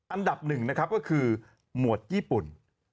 อันดับหนึ่งนะครับก็คือหมวดญี่ปุ่น